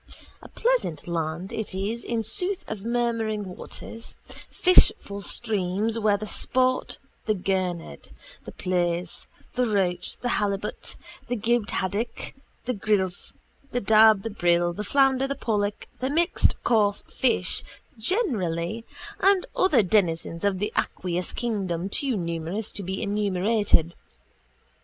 A pleasant land it is in sooth of murmuring waters, fishful streams where sport the gurnard, the plaice, the roach, the halibut, the gibbed haddock, the grilse, the dab, the brill, the flounder, the pollock, the mixed coarse fish generally and other denizens of the aqueous kingdom too numerous to be enumerated.